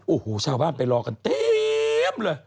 โอ้โหชาวบ้านไปรอกันเต็มเลย